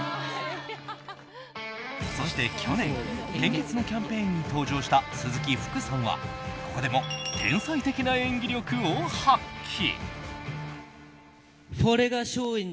そして去年献血のキャンペーンに登場した鈴木福さんはここでも天才的な演技力を発揮。